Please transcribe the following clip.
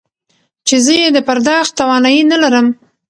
چې زه يې د پرداخت توانايي نه لرم.